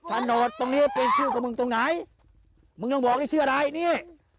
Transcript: ชะโนตตรงนี้เป็นชื่อกับมึงตรงไหนมึงต้องบอกได้ชื่ออะไรเนี่ย